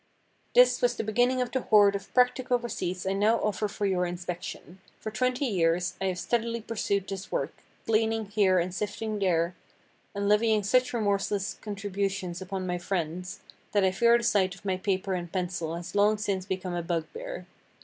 This was the beginning of the hoard of practical receipts I now offer for your inspection. For twenty years, I have steadily pursued this work, gleaning here and sifting there, and levying such remorseless contributions upon my friends, that I fear the sight of my paper and pencil has long since become a bugbear.